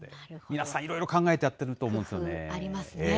皆さん、いろいろ考えてやってるありますね。